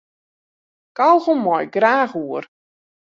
Kaugom mei ik graach oer.